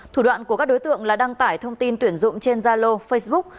thủ đoạn của các đối tượng là đăng tải thông tin tuyển dụng trên zalo facebook